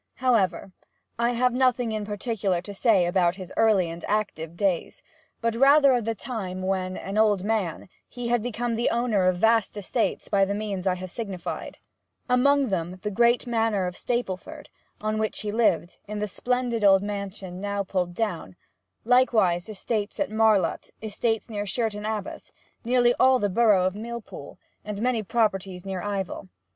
However, I have nothing in particular to say about his early and active days, but rather of the time when, an old man, he had become the owner of vast estates by the means I have signified among them the great manor of Stapleford, on which he lived, in the splendid old mansion now pulled down; likewise estates at Marlott, estates near Sherton Abbas, nearly all the borough of Millpool, and many properties near Ivell.